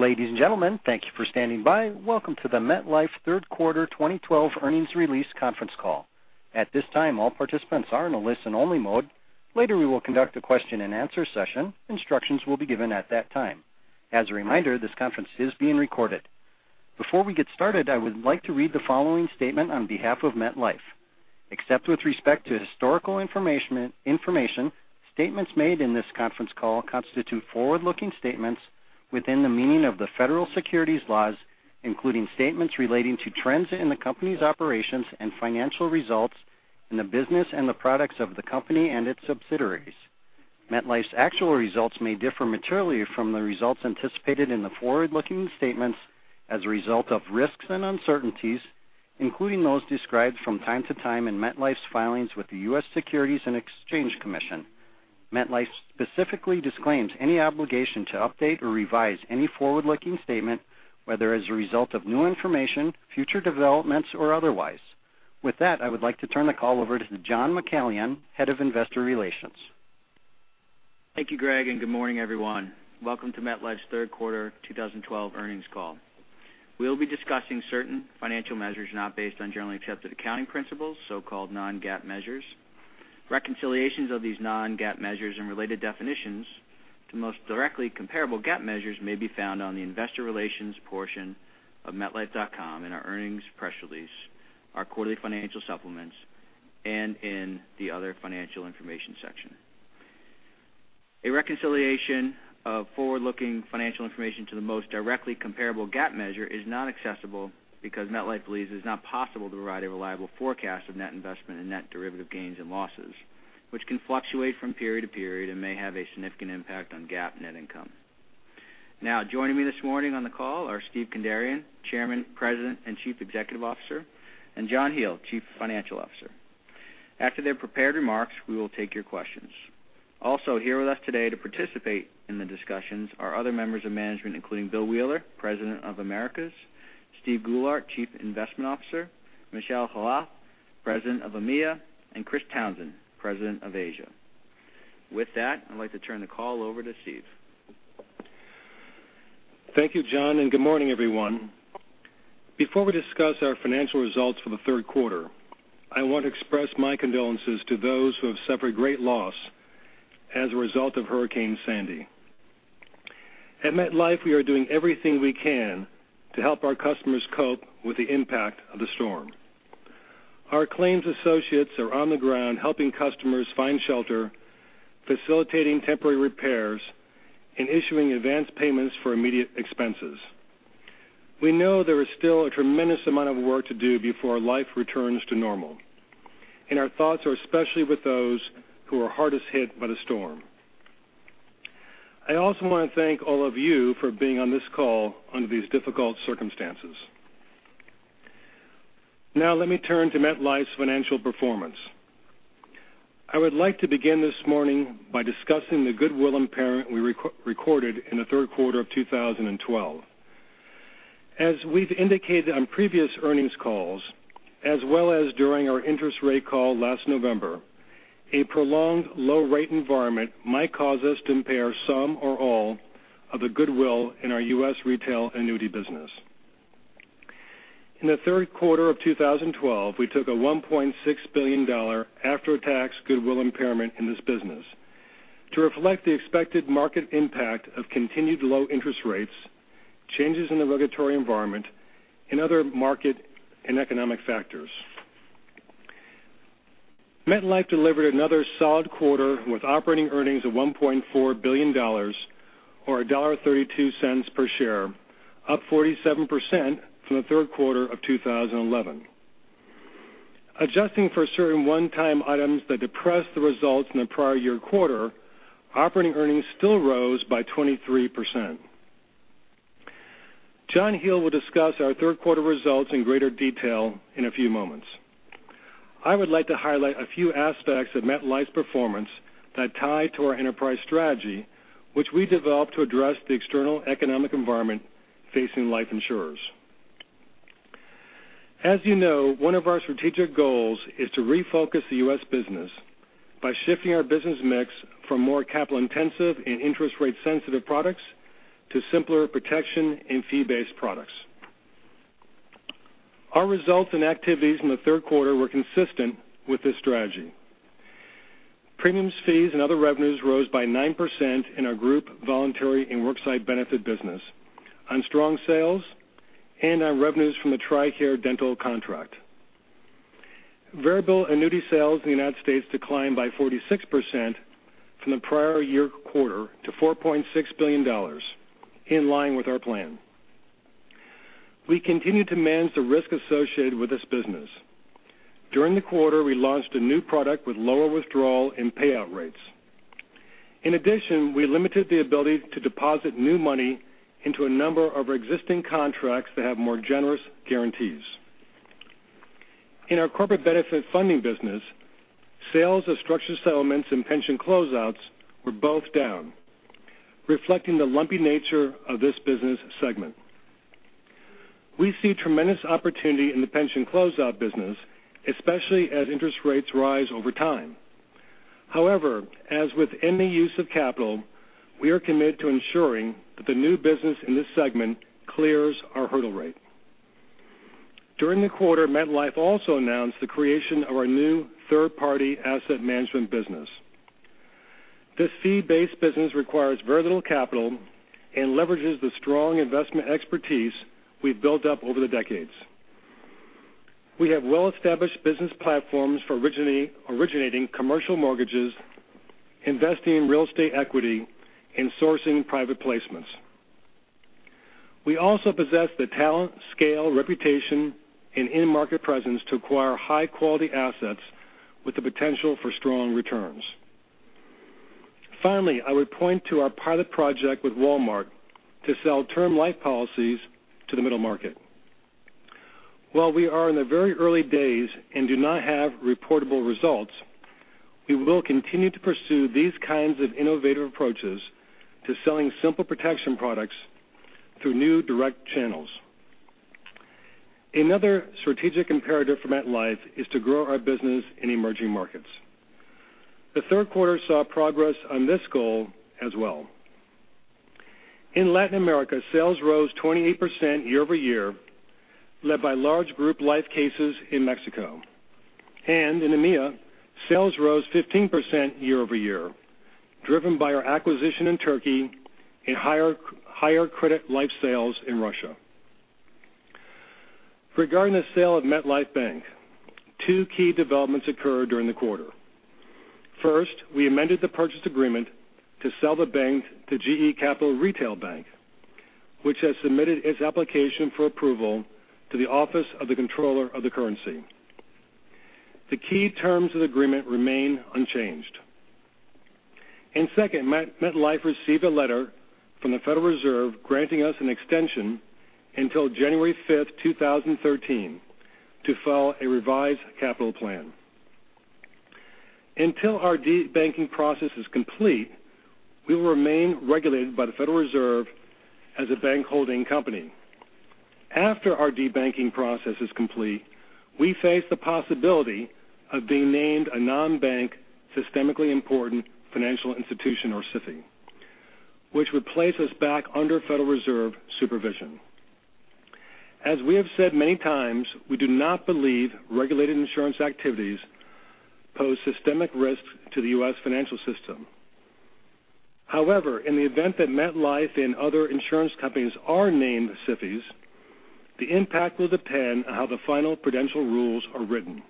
Ladies and gentlemen, thank you for standing by. Welcome to the MetLife third quarter 2012 earnings release conference call. At this time, all participants are in a listen-only mode. Later we will conduct a question and answer session. Instructions will be given at that time. As a reminder, this conference is being recorded. Before we get started, I would like to read the following statement on behalf of MetLife. Except with respect to historical information, statements made in this conference call constitute forward-looking statements within the meaning of the federal securities laws, including statements relating to trends in the company's operations and financial results in the business and the products of the company and its subsidiaries. MetLife's actual results may differ materially from the results anticipated in the forward-looking statements as a result of risks and uncertainties, including those described from time to time in MetLife's filings with the U.S. Securities and Exchange Commission. MetLife specifically disclaims any obligation to update or revise any forward-looking statement, whether as a result of new information, future developments, or otherwise. With that, I would like to turn the call over to John McCallion, Head of Investor Relations. Thank you, Greg. Good morning, everyone. Welcome to MetLife's third quarter 2012 earnings call. We'll be discussing certain financial measures not based on generally accepted accounting principles, so-called non-GAAP measures. Reconciliations of these non-GAAP measures and related definitions to most directly comparable GAAP measures may be found on the investor relations portion of metlife.com in our earnings press release, our quarterly financial supplements, and in the other financial information section. A reconciliation of forward-looking financial information to the most directly comparable GAAP measure is not accessible because MetLife believes it is not possible to provide a reliable forecast of net investment and net derivative gains and losses, which can fluctuate from period to period and may have a significant impact on GAAP net income. Joining me this morning on the call are Steve Kandarian, Chairman, President, and Chief Executive Officer, and John Heil, Chief Financial Officer. After their prepared remarks, we will take your questions. Also here with us today to participate in the discussions are other members of management including Bill Wheeler, President of Americas, Steve Goulart, Chief Investment Officer, Michel Khalaf, President of EMEA, and Chris Townsend, President of Asia. I'd like to turn the call over to Steve. Thank you, John, and good morning, everyone. Before we discuss our financial results for the third quarter, I want to express my condolences to those who have suffered great loss as a result of Hurricane Sandy. At MetLife, we are doing everything we can to help our customers cope with the impact of the storm. Our claims associates are on the ground helping customers find shelter, facilitating temporary repairs, and issuing advance payments for immediate expenses. We know there is still a tremendous amount of work to do before life returns to normal. Our thoughts are especially with those who are hardest hit by the storm. I also want to thank all of you for being on this call under these difficult circumstances. Let me turn to MetLife's financial performance. I would like to begin this morning by discussing the goodwill impairment we recorded in the third quarter of 2012. As we've indicated on previous earnings calls, as well as during our interest rate call last November, a prolonged low-rate environment might cause us to impair some or all of the goodwill in our U.S. retail annuity business. In the third quarter of 2012, we took a $1.6 billion after-tax goodwill impairment in this business to reflect the expected market impact of continued low interest rates, changes in the regulatory environment, and other market and economic factors. MetLife delivered another solid quarter with operating earnings of $1.4 billion or $1.32 per share, up 47% from the third quarter of 2011. Adjusting for certain one-time items that depressed the results in the prior year quarter, operating earnings still rose by 23%. John Heil will discuss our third quarter results in greater detail in a few moments. I would like to highlight a few aspects of MetLife's performance that tie to our enterprise strategy, which we developed to address the external economic environment facing life insurers. As you know, one of our strategic goals is to refocus the U.S. business by shifting our business mix from more capital-intensive and interest rate sensitive products to simpler protection and fee-based products. Our results and activities in the third quarter were consistent with this strategy. Premiums, fees, and other revenues rose by 9% in our group voluntary and worksite benefit business on strong sales and on revenues from the TRICARE Dental contract. Variable annuity sales in the United States declined by 46% from the prior year quarter to $4.6 billion in line with our plan. We continue to manage the risk associated with this business. During the quarter, we launched a new product with lower withdrawal and payout rates. In addition, we limited the ability to deposit new money into a number of our existing contracts that have more generous guarantees. In our corporate benefit funding business, sales of structured settlements and pension closeouts were both down, reflecting the lumpy nature of this business segment. We see tremendous opportunity in the pension closeout business, especially as interest rates rise over time. However, as with any use of capital, we are committed to ensuring that the new business in this segment clears our hurdle rate. During the quarter, MetLife also announced the creation of our new third-party asset management business. This fee-based business requires very little capital and leverages the strong investment expertise we've built up over the decades. We have well-established business platforms for originating commercial mortgages, investing in real estate equity, and sourcing private placements. We also possess the talent, scale, reputation, and end market presence to acquire high-quality assets with the potential for strong returns. Finally, I would point to our pilot project with Walmart to sell term life policies to the middle market. While we are in the very early days and do not have reportable results, we will continue to pursue these kinds of innovative approaches to selling simple protection products through new direct channels. Another strategic imperative for MetLife is to grow our business in emerging markets. The third quarter saw progress on this goal as well. In Latin America, sales rose 28% year-over-year, led by large group life cases in Mexico. In EMEA, sales rose 15% year-over-year, driven by our acquisition in Turkey and higher credit life sales in Russia. Regarding the sale of MetLife Bank, two key developments occurred during the quarter. First, we amended the purchase agreement to sell the bank to GE Capital Retail Bank, which has submitted its application for approval to the Office of the Comptroller of the Currency. The key terms of the agreement remain unchanged. Second, MetLife received a letter from the Federal Reserve granting us an extension until January 5th, 2013, to file a revised capital plan. Until our de-banking process is complete, we will remain regulated by the Federal Reserve as a bank holding company. After our de-banking process is complete, we face the possibility of being named a non-bank, systemically important financial institution, or SIFI, which would place us back under Federal Reserve supervision. As we have said many times, we do not believe regulated insurance activities pose systemic risks to the U.S. financial system. However, in the event that MetLife and other insurance companies are named SIFIs, the impact will depend on how the final prudential rules are written.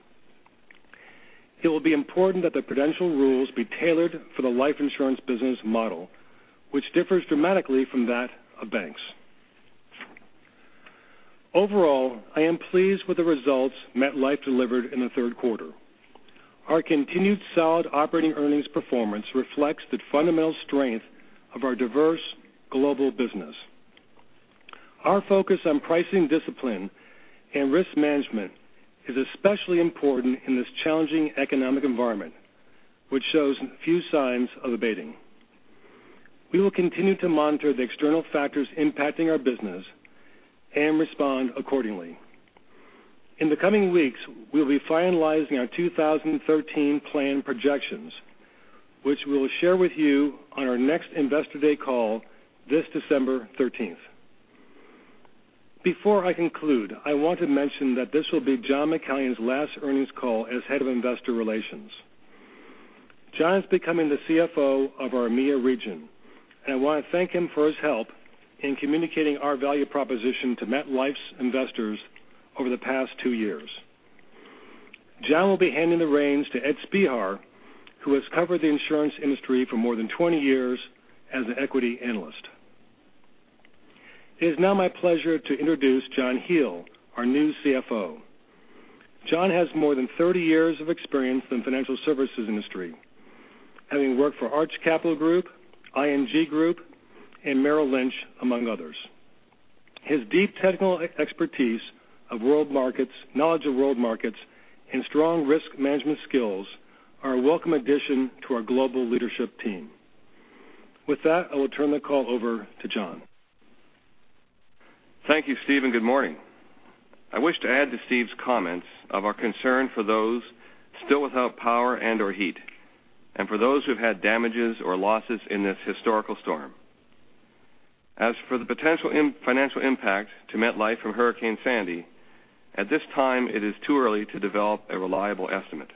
It will be important that the prudential rules be tailored for the life insurance business model, which differs dramatically from that of banks. Overall, I am pleased with the results MetLife delivered in the third quarter. Our continued solid operating earnings performance reflects the fundamental strength of our diverse global business. Our focus on pricing discipline and risk management is especially important in this challenging economic environment, which shows few signs of abating. We will continue to monitor the external factors impacting our business and respond accordingly. In the coming weeks, we'll be finalizing our 2013 plan projections, which we'll share with you on our next Investor Day call this December 13th. Before I conclude, I want to mention that this will be John McCallion's last earnings call as head of investor relations. John's becoming the CFO of our EMEA region, and I want to thank him for his help in communicating our value proposition to MetLife's investors over the past two years. John will be handing the reins to Edward Spehar, who has covered the insurance industry for more than 20 years as an equity analyst. It is now my pleasure to introduce John Heil, our new CFO. John has more than 30 years of experience in the financial services industry, having worked for Arch Capital Group, ING Group, and Merrill Lynch, among others. His deep technical expertise, knowledge of world markets, and strong risk management skills are a welcome addition to our global leadership team. With that, I will turn the call over to John. Thank you, Steve, and good morning. I wish to add to Steve's comments of our concern for those still without power and/or heat, and for those who've had damages or losses in this historical storm. As for the potential financial impact to MetLife from Hurricane Sandy, at this time, it is too early to develop a reliable estimate.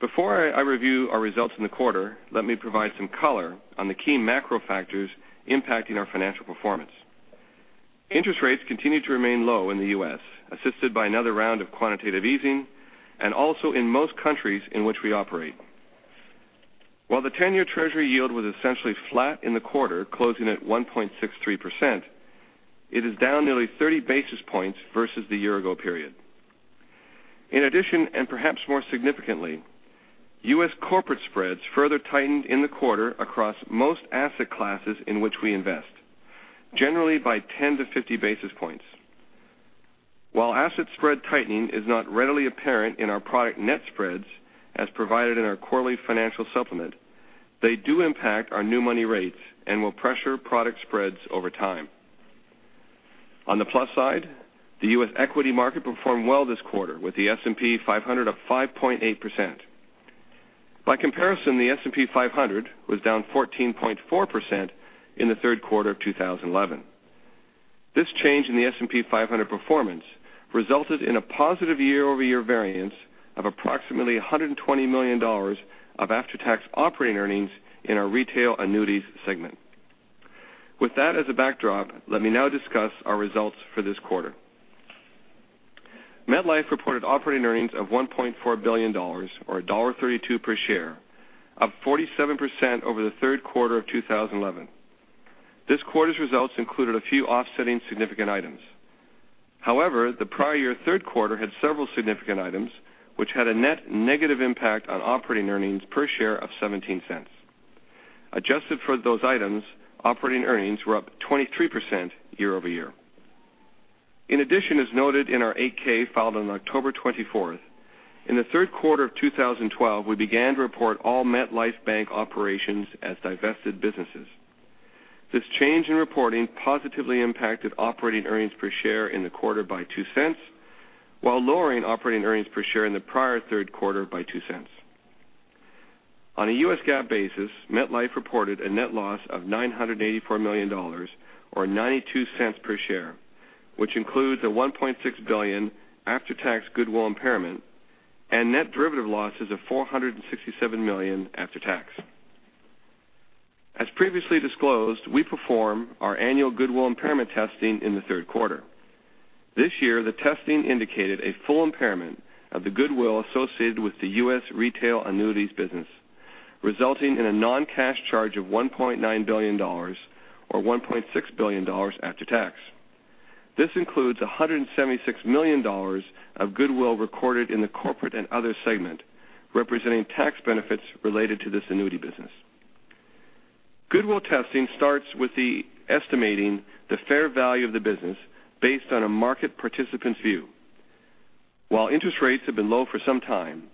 Before I review our results in the quarter, let me provide some color on the key macro factors impacting our financial performance. Interest rates continue to remain low in the U.S., assisted by another round of quantitative easing, and also in most countries in which we operate. While the 10-year Treasury yield was essentially flat in the quarter, closing at 1.63%, it is down nearly 30 basis points versus the year-ago period. In addition, perhaps more significantly, U.S. corporate spreads further tightened in the quarter across most asset classes in which we invest, generally by 10 to 50 basis points. While asset spread tightening is not readily apparent in our product net spreads as provided in our quarterly financial supplement, they do impact our new money rates and will pressure product spreads over time. On the plus side, the U.S. equity market performed well this quarter with the S&P 500 up 5.8%. By comparison, the S&P 500 was down 14.4% in the third quarter of 2011. This change in the S&P 500 performance resulted in a positive year-over-year variance of approximately $120 million of after-tax operating earnings in our retail annuities segment. With that as a backdrop, let me now discuss our results for this quarter. MetLife reported operating earnings of $1.4 billion, or $1.32 per share, up 47% over the third quarter of 2011. This quarter's results included a few offsetting significant items. However, the prior year third quarter had several significant items, which had a net negative impact on operating earnings per share of $0.17. Adjusted for those items, operating earnings were up 23% year-over-year. In addition, as noted in our 8-K filed on October 24th, in the third quarter of 2012, we began to report all MetLife Bank operations as divested businesses. This change in reporting positively impacted operating earnings per share in the quarter by $0.02, while lowering operating earnings per share in the prior third quarter by $0.02. On a U.S. GAAP basis, MetLife reported a net loss of $984 million, or $0.92 per share, which includes a $1.6 billion after-tax goodwill impairment and net derivative losses of $467 million after tax. As previously disclosed, we perform our annual goodwill impairment testing in the third quarter. This year, the testing indicated a full impairment of the goodwill associated with the U.S. retail annuities business, resulting in a non-cash charge of $1.9 billion, or $1.6 billion after tax. This includes $176 million of goodwill recorded in the corporate and other segment, representing tax benefits related to this annuity business. Goodwill testing starts with estimating the fair value of the business based on a market participant's view. While interest rates have been low for some time,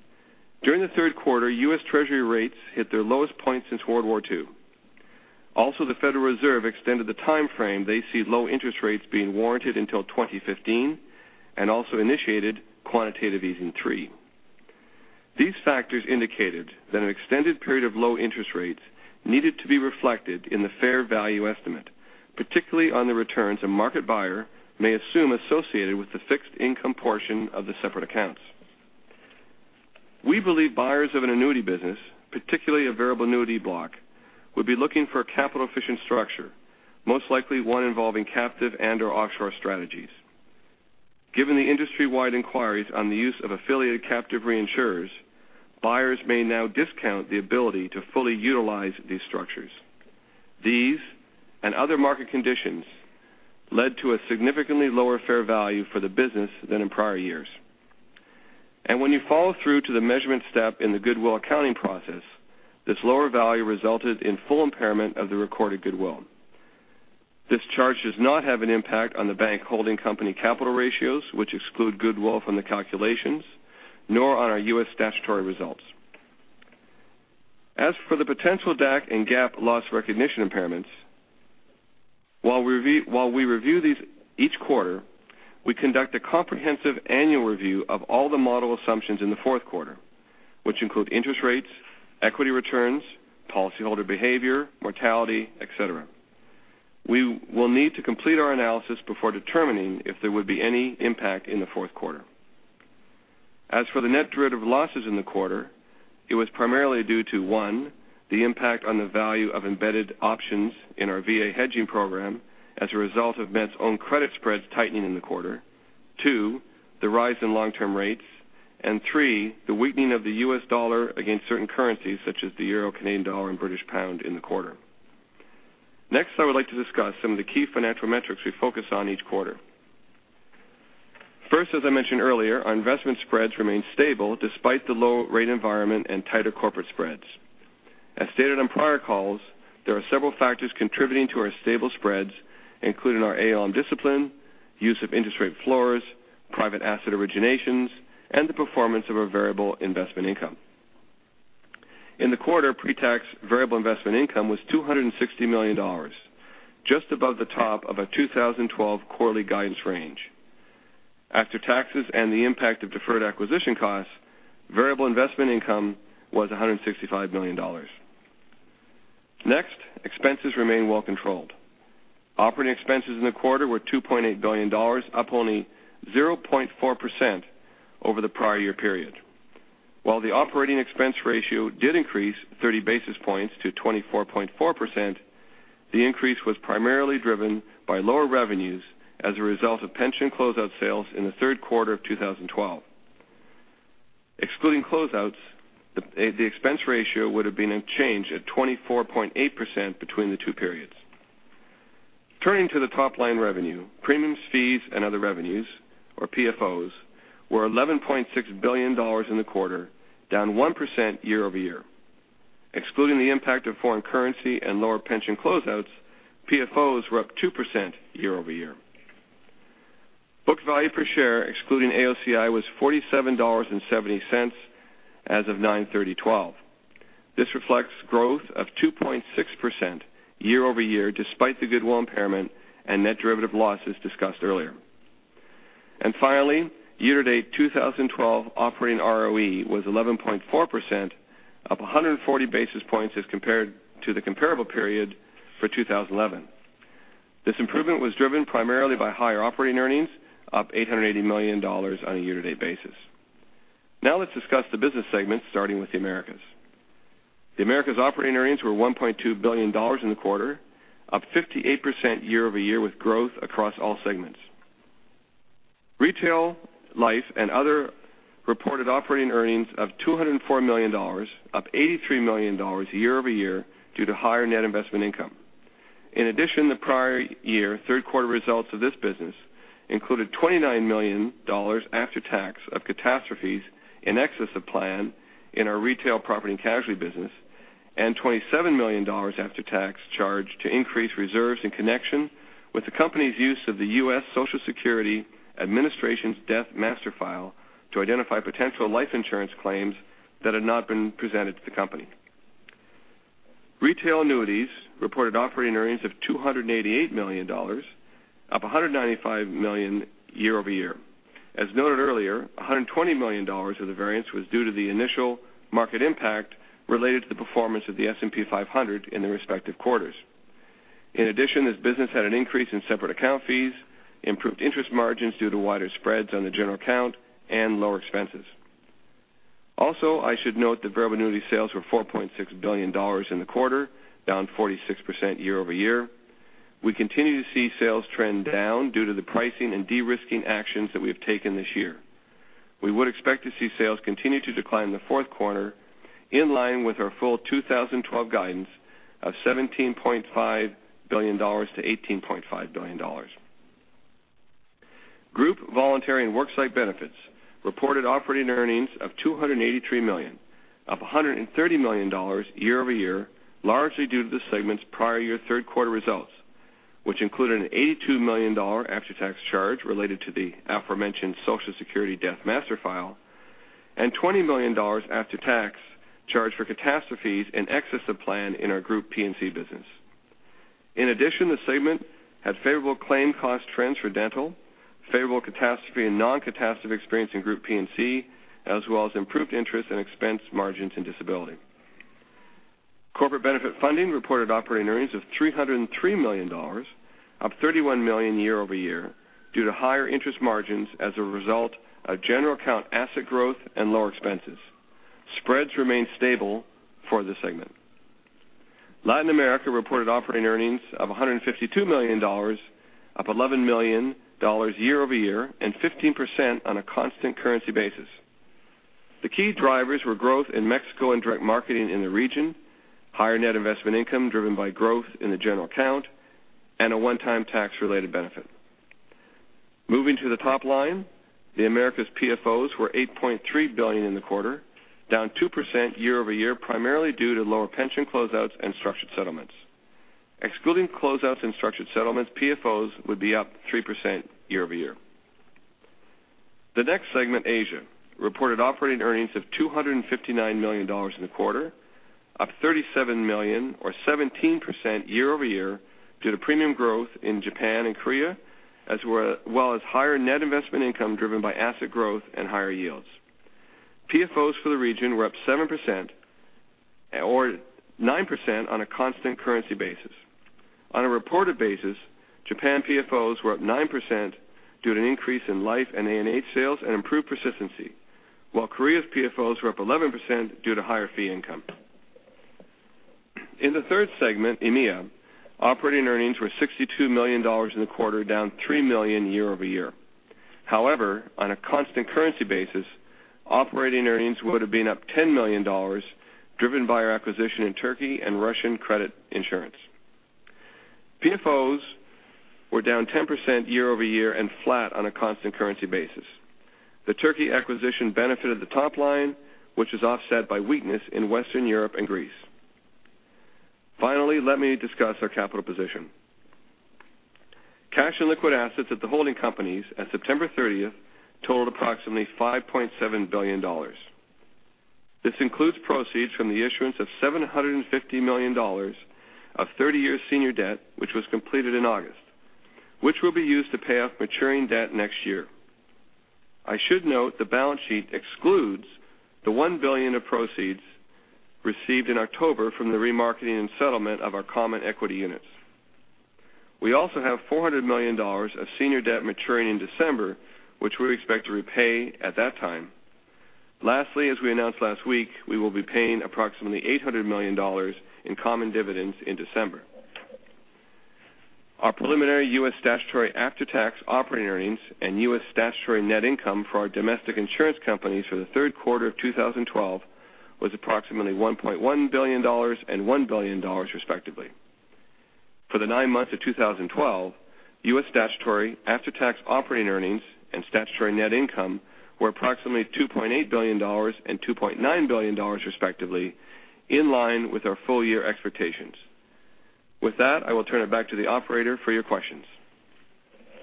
during the third quarter, U.S. Treasury rates hit their lowest point since World War II. Also, the Federal Reserve extended the timeframe they see low interest rates being warranted until 2015 and also initiated quantitative easing three. These factors indicated that an extended period of low interest rates needed to be reflected in the fair value estimate, particularly on the returns a market buyer may assume associated with the fixed income portion of the separate accounts. We believe buyers of an annuity business, particularly a variable annuity block, would be looking for a capital-efficient structure, most likely one involving captive and/or offshore strategies. Given the industry-wide inquiries on the use of affiliated captive reinsurers, buyers may now discount the ability to fully utilize these structures. These and other market conditions led to a significantly lower fair value for the business than in prior years. When you follow through to the measurement step in the goodwill accounting process, this lower value resulted in full impairment of the recorded goodwill. This charge does not have an impact on the bank holding company capital ratios, which exclude goodwill from the calculations, nor on our U.S. statutory results. As for the potential DAC and GAAP loss recognition impairments, while we review these each quarter, we conduct a comprehensive annual review of all the model assumptions in the fourth quarter, which include interest rates, equity returns, policyholder behavior, mortality, et cetera. We will need to complete our analysis before determining if there would be any impact in the fourth quarter. As for the net derivative losses in the quarter, it was primarily due to, one, the impact on the value of embedded options in our VA hedging program as a result of MetLife's own credit spreads tightening in the quarter. Two, the rise in long-term rates. And three, the weakening of the U.S. dollar against certain currencies, such as the euro, Canadian dollar, and British pound in the quarter. Next, I would like to discuss some of the key financial metrics we focus on each quarter. First, as I mentioned earlier, our investment spreads remain stable despite the low rate environment and tighter corporate spreads. As stated on prior calls, there are several factors contributing to our stable spreads, including our ALM discipline, use of interest rate floors, private asset originations, and the performance of our variable investment income. In the quarter, pre-tax variable investment income was $260 million, just above the top of a 2012 quarterly guidance range. After taxes and the impact of deferred acquisition costs, variable investment income was $165 million. Next, expenses remain well controlled. Operating expenses in the quarter were $2.8 billion, up only 0.4% over the prior year-over-year period. While the operating expense ratio did increase 30 basis points to 24.4%, the increase was primarily driven by lower revenues as a result of pension closeout sales in the third quarter of 2012. Excluding closeouts, the expense ratio would have been unchanged at 24.8% between the two periods. Turning to the top-line revenue, premiums, fees, and other revenues, or PFOs, were $11.6 billion in the quarter, down 1% year-over-year. Excluding the impact of foreign currency and lower pension closeouts, PFOs were up 2% year-over-year. Booked value per share, excluding AOCI, was $47.70 as of 9/30/2012. This reflects growth of 2.6% year-over-year, despite the goodwill impairment and net derivative losses discussed earlier. Finally, year-to-date 2012 operating ROE was 11.4%, up 140 basis points as compared to the comparable period for 2011. This improvement was driven primarily by higher operating earnings, up $880 million on a year-to-date basis. Now let's discuss the business segments, starting with the Americas. The Americas' operating earnings were $1.2 billion in the quarter, up 58% year-over-year, with growth across all segments. Retail Life and Other reported operating earnings of $204 million, up $83 million year-over-year due to higher net investment income. In addition, the prior year third quarter results of this business included $29 million after tax of catastrophes in excess of plan in our retail property and casualty business, and $27 million after tax charged to increase reserves in connection with the company's use of the U.S. Social Security Administration's Death Master File to identify potential life insurance claims that had not been presented to the company. Retail Annuities reported operating earnings of $288 million, up $195 million year-over-year. As noted earlier, $120 million of the variance was due to the initial market impact related to the performance of the S&P 500 in the respective quarters. In addition, this business had an increase in separate account fees, improved interest margins due to wider spreads on the general account, and lower expenses. Also, I should note that variable annuity sales were $4.6 billion in the quarter, down 46% year-over-year. We continue to see sales trend down due to the pricing and de-risking actions that we have taken this year. We would expect to see sales continue to decline in the fourth quarter, in line with our full 2012 guidance of $17.5 billion-$18.5 billion. Group Voluntary and Worksite Benefits reported operating earnings of $283 million, up $130 million year-over-year, largely due to the segment's prior year third quarter results, which included an $82 million after tax charge related to the aforementioned Social Security Death Master File, and $20 million after tax charged for catastrophes in excess of plan in our group P&C business. In addition, the segment had favorable claim cost trends for dental, favorable catastrophe and non-catastrophic experience in group P&C, as well as improved interest in expense margins in disability. Corporate benefit funding reported operating earnings of $303 million, up $31 million year-over-year, due to higher interest margins as a result of general account asset growth and lower expenses. Spreads remained stable for this segment. Latin America reported operating earnings of $152 million, up $11 million year-over-year and 15% on a constant currency basis. The key drivers were growth in Mexico and direct marketing in the region, higher net investment income driven by growth in the general account, and a one-time tax related benefit. Moving to the top line, the Americas PFOs were $8.3 billion in the quarter, down 2% year-over-year, primarily due to lower pension closeouts and structured settlements. Excluding closeouts and structured settlements, PFOs would be up 3% year-over-year. The next segment, Asia, reported operating earnings of $259 million in the quarter, up $37 million or 17% year-over-year due to premium growth in Japan and Korea, as well as higher net investment income driven by asset growth and higher yields. PFOs for the region were up 7% or 9% on a constant currency basis. On a reported basis, Japan PFOs were up 9% due to an increase in life and A&H sales and improved persistency, while Korea's PFOs were up 11% due to higher fee income. In the third segment, EMEA, operating earnings were $62 million in the quarter, down $3 million year-over-year. On a constant currency basis, operating earnings would have been up $10 million, driven by our acquisition in Turkey and Russian credit insurance. PFOs were down 10% year-over-year and flat on a constant currency basis. The Turkey acquisition benefited the top line, which is offset by weakness in Western Europe and Greece. Let me discuss our capital position. Cash and liquid assets at the holding companies at September 30th totaled approximately $5.7 billion. This includes proceeds from the issuance of $750 million of 30-year senior debt, which was completed in August, which will be used to pay off maturing debt next year. I should note the balance sheet excludes the $1 billion of proceeds received in October from the remarketing and settlement of our common equity units. We also have $400 million of senior debt maturing in December, which we expect to repay at that time. As we announced last week, we will be paying approximately $800 million in common dividends in December. Our preliminary U.S. statutory after-tax operating earnings and U.S. statutory net income for our domestic insurance companies for the third quarter of 2012 was approximately $1.1 billion and $1 billion respectively. For the nine months of 2012, U.S. statutory after-tax operating earnings and statutory net income were approximately $2.8 billion and $2.9 billion respectively, in line with our full-year expectations. I will turn it back to the operator for your questions.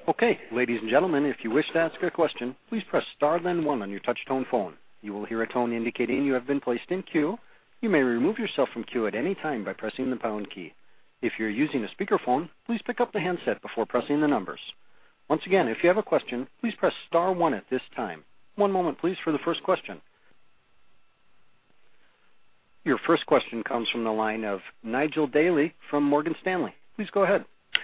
Okay. Ladies and gentlemen, if you wish to ask a question, please press star then one on your touch-tone phone. You will hear a tone indicating you have been placed in queue. You may remove yourself from queue at any time by pressing the pound key. If you're using a speakerphone, please pick up the handset before pressing the numbers. Once again, if you have a question, please press star one at this time. One moment, please, for the first question. Your first question comes from the line of Nigel Dally from Morgan Stanley. Please go ahead.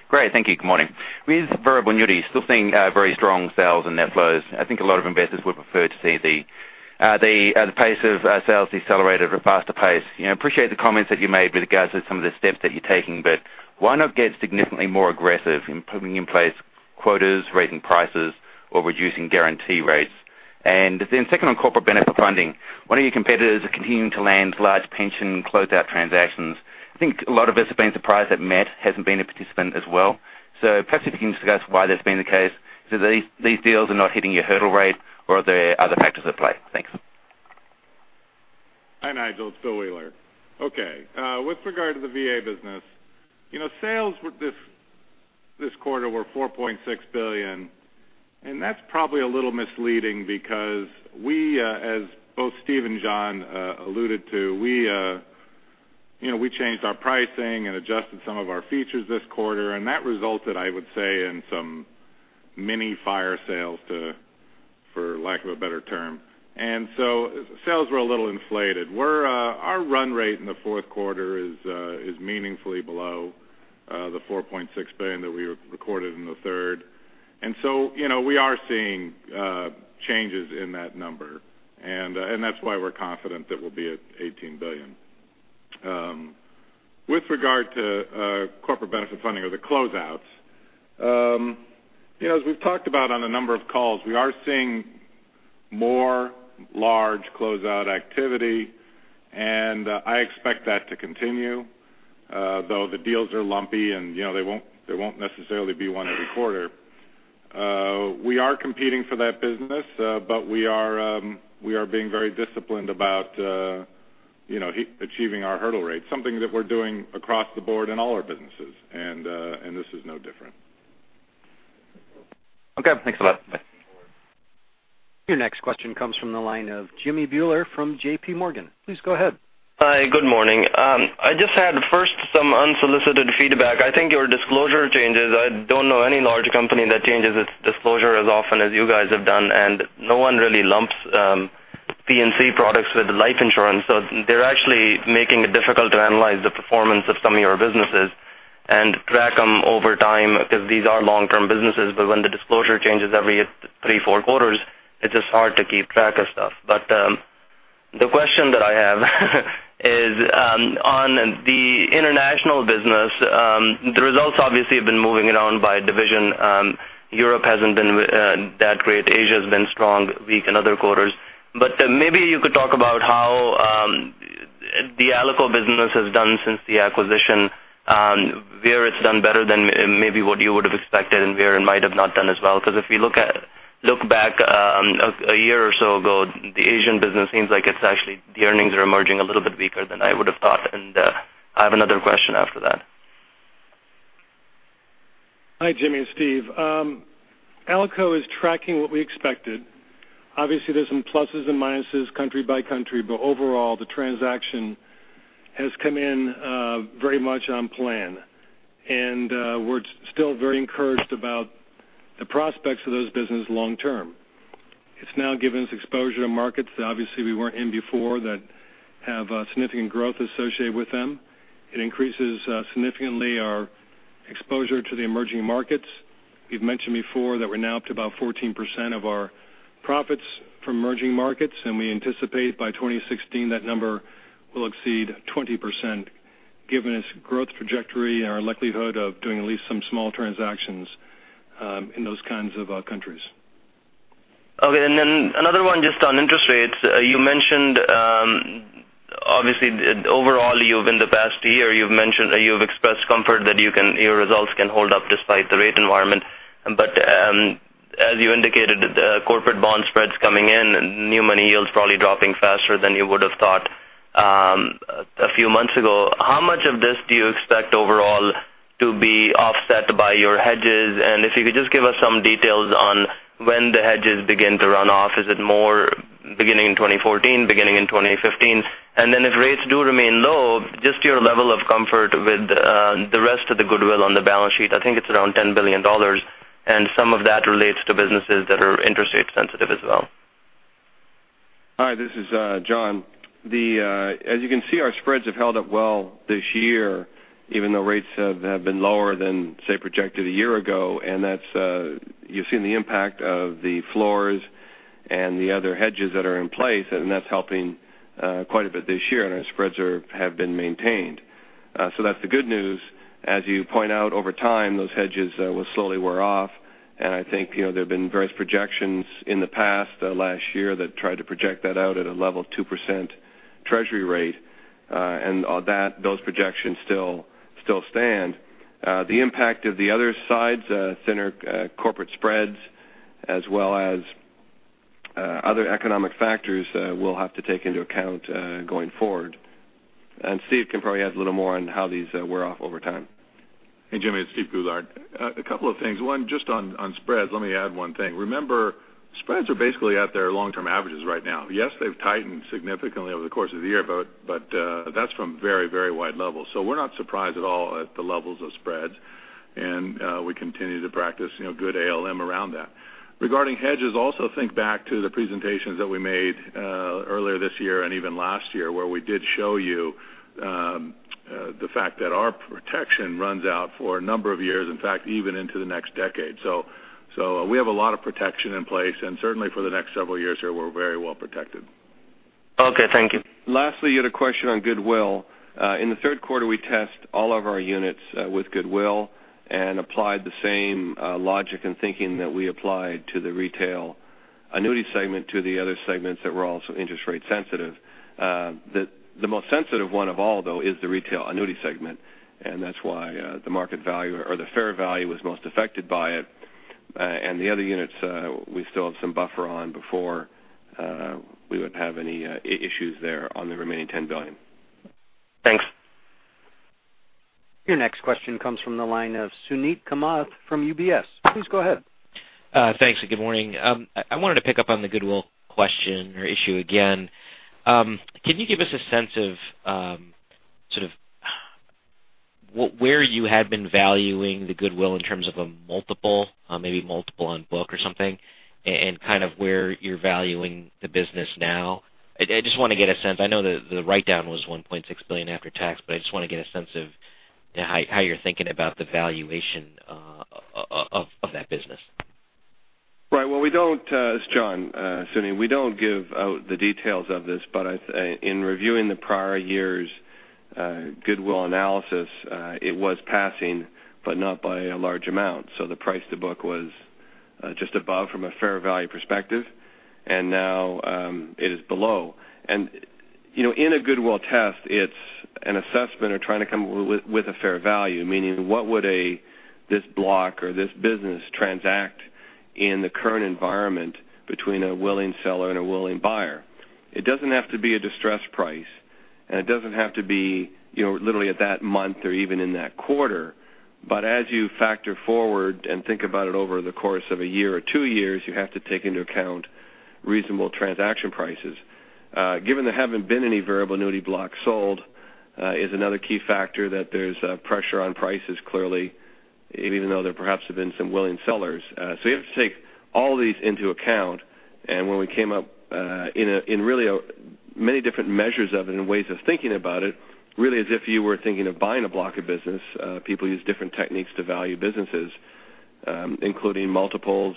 Great, thank you. Good morning. With variable annuity still seeing very strong sales and net flows, I think a lot of investors would prefer to see the pace of sales accelerated at a faster pace. I appreciate the comments that you made with regards to some of the steps that you're taking, but why not get significantly more aggressive in putting in place quotas, raising prices, or reducing guarantee rates? Second on corporate benefit funding. One of your competitors are continuing to land large pension closeout transactions. I think a lot of us have been surprised that MetLife hasn't been a participant as well. Perhaps if you can discuss why that's been the case. These deals are not hitting your hurdle rate, or are there other factors at play? Thanks. Hi, Nigel. It's Bill Wheeler. Okay. With regard to the VA business, sales this quarter were $4.6 billion, that's probably a little misleading because we, as both Steve and John alluded to, we changed our pricing and adjusted some of our features this quarter, that resulted, I would say, in some mini fire sales, for lack of a better term. Sales were a little inflated. Our run rate in the fourth quarter is meaningfully below the $4.6 billion that we recorded in the third. We are seeing changes in that number, that's why we're confident that we'll be at $18 billion. With regard to corporate benefit funding or the closeouts, as we've talked about on a number of calls, we are seeing more large closeout activity, I expect that to continue. Though the deals are lumpy and there won't necessarily be one every quarter. We are competing for that business, but we are being very disciplined about achieving our hurdle rates, something that we're doing across the board in all our businesses, and this is no different. Okay, thanks a lot. Bye. Your next question comes from the line of Jimmy Bhullar from J.P. Morgan. Please go ahead. Hi, good morning. I just had first some unsolicited feedback. I think your disclosure changes, I don't know any large company that changes its disclosure as often as you guys have done, and no one really lumps P&C products with life insurance. They're actually making it difficult to analyze the performance of some of your businesses and track them over time because these are long-term businesses. When the disclosure changes every three, four quarters, it's just hard to keep track of stuff. The question that I have is on the international business. The results obviously have been moving around by division. Europe hasn't been that great. Asia has been strong, weak in other quarters. Maybe you could talk about how the Alico business has done since the acquisition, where it's done better than maybe what you would have expected and where it might have not done as well. Because if we look back a year or so ago, the Asian business seems like the earnings are emerging a little bit weaker than I would have thought, and I have another question after that. Hi, Jimmy, it's Steve. Alico is tracking what we expected. Obviously, there's some pluses and minuses country by country, overall, the transaction has come in very much on plan. We're still very encouraged about the prospects of those business long term. It's now given us exposure to markets that obviously we weren't in before that have significant growth associated with them. It increases significantly our exposure to the emerging markets. We've mentioned before that we're now up to about 14% of our profits from emerging markets, and we anticipate by 2016 that number will exceed 20%, given its growth trajectory and our likelihood of doing at least some small transactions in those kinds of countries. Okay, another one just on interest rates. You mentioned, obviously, overall in the past year, you've expressed comfort that your results can hold up despite the rate environment. As you indicated, the corporate bond spreads coming in and new money yields probably dropping faster than you would have thought a few months ago. How much of this do you expect overall to be offset by your hedges? If you could just give us some details on when the hedges begin to run off. Is it more beginning in 2014, beginning in 2015? Then if rates do remain low, just your level of comfort with the rest of the goodwill on the balance sheet, I think it's around $10 billion, and some of that relates to businesses that are interest rate sensitive as well. Hi, this is John. As you can see, our spreads have held up well this year, even though rates have been lower than say projected a year ago. You've seen the impact of the floors and the other hedges that are in place, and that's helping quite a bit this year, and our spreads have been maintained. That's the good news. As you point out over time, those hedges will slowly wear off, I think there have been various projections in the past last year that tried to project that out at a level of 2%. Treasury rate. Those projections still stand. The impact of the other sides, thinner corporate spreads, as well as other economic factors we'll have to take into account going forward. Steve can probably add a little more on how these wear off over time. Hey, Jimmy, it's Steve Goulart. A couple of things. One, just on spreads, let me add one thing. Remember, spreads are basically at their long-term averages right now. Yes, they've tightened significantly over the course of the year, but that's from very wide levels. We're not surprised at all at the levels of spreads, and we continue to practice good ALM around that. Regarding hedges, also think back to the presentations that we made earlier this year and even last year, where we did show you the fact that our protection runs out for a number of years, in fact, even into the next decade. We have a lot of protection in place and certainly for the next several years here, we're very well protected. Okay, thank you. Lastly, you had a question on goodwill. In the third quarter, we test all of our units with goodwill and applied the same logic and thinking that we applied to the retail annuity segment to the other segments that were also interest rate sensitive. The most sensitive one of all, though, is the retail annuity segment, and that's why the market value or the fair value was most affected by it. The other units, we still have some buffer on before we would have any issues there on the remaining $10 billion. Thanks. Your next question comes from the line of Suneet Kamath from UBS. Please go ahead. Thanks, good morning. I wanted to pick up on the goodwill question or issue again. Can you give us a sense of where you had been valuing the goodwill in terms of a multiple, maybe multiple on book or something, and where you're valuing the business now? I just want to get a sense. I know that the write-down was $1.6 billion after tax, but I just want to get a sense of how you're thinking about the valuation of that business. Right. It's John. Suneet, we don't give out the details of this, but in reviewing the prior year's goodwill analysis, it was passing, but not by a large amount. The price to book was just above from a fair value perspective, and now it is below. In a goodwill test, it's an assessment of trying to come with a fair value, meaning what would this block or this business transact in the current environment between a willing seller and a willing buyer? It doesn't have to be a distressed price, and it doesn't have to be literally at that month or even in that quarter. But as you factor forward and think about it over the course of a year or two years, you have to take into account reasonable transaction prices. Given there haven't been any variable annuity blocks sold is another key factor that there's pressure on prices, clearly, even though there perhaps have been some willing sellers. You have to take all these into account, and when we came up in really many different measures of it and ways of thinking about it, really as if you were thinking of buying a block of business. People use different techniques to value businesses, including multiples,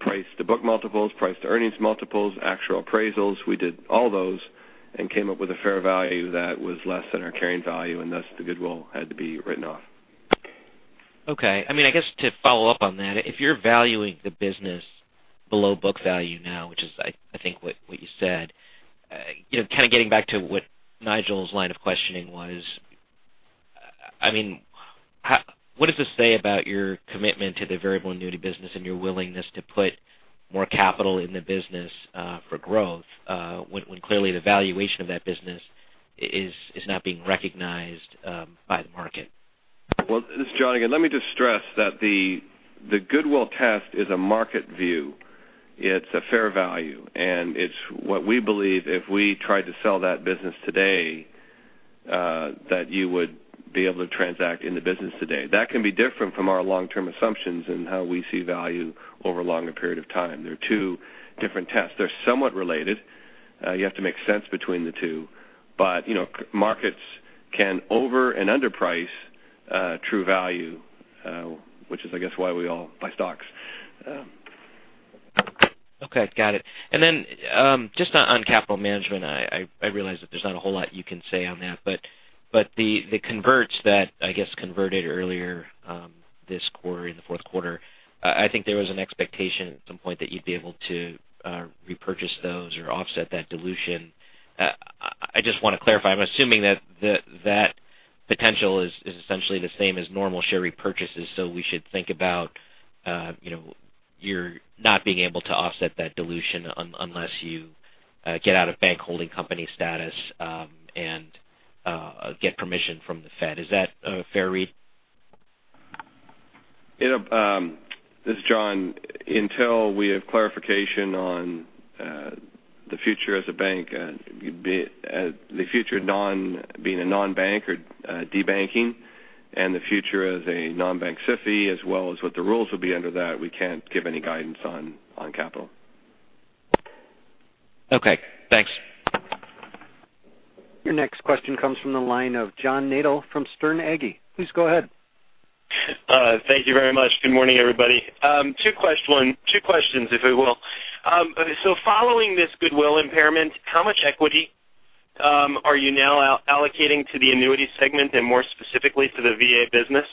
price to book multiples, price to earnings multiples, actual appraisals. We did all those and came up with a fair value that was less than our carrying value, and thus the goodwill had to be written off. Okay. I guess to follow up on that, if you're valuing the business below book value now, which is I think what you said, getting back to what Nigel's line of questioning was, what does this say about your commitment to the variable annuity business and your willingness to put more capital in the business for growth, when clearly the valuation of that business is not being recognized by the market? Well, this is John again. Let me just stress that the goodwill test is a market view. It's a fair value, and it's what we believe if we tried to sell that business today, that you would be able to transact in the business today. That can be different from our long-term assumptions and how we see value over a longer period of time. They're two different tests. They're somewhat related. You have to make sense between the two. Markets can over and underprice true value, which is, I guess, why we all buy stocks. Okay, got it. Just on capital management, I realize that there's not a whole lot you can say on that, but the converts that, I guess, converted earlier this quarter, in the fourth quarter, I think there was an expectation at some point that you'd be able to repurchase those or offset that dilution. I just want to clarify, I'm assuming that potential is essentially the same as normal share repurchases, so we should think about you're not being able to offset that dilution unless you get out of bank holding company status and get permission from the Fed. Is that a fair read? This is John. Until we have clarification on the future as a bank, the future being a non-bank or de-banking, the future as a non-bank SIFI, as well as what the rules will be under that, we can't give any guidance on capital. Okay, thanks. Your next question comes from the line of John Nadel from Sterne Agee. Please go ahead. Thank you very much. Good morning, everybody. Two questions, if I will. Following this goodwill impairment, how much equity are you now allocating to the annuity segment and more specifically to the VA business?